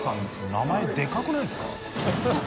名前でかくないですか？